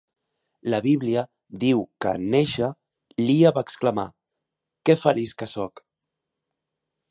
La Bíblia diu que, en néixer, Lia va exclamar: Que feliç que soc!